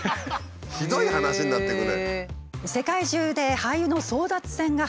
ひどい話になっていくね。